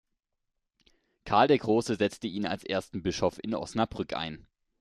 Karl der Große setzte ihn als ersten Bischof in Osnabrück ein.